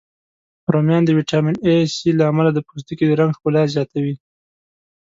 رومیان د ویټامین C، A، له امله د پوستکي د رنګ ښکلا زیاتوی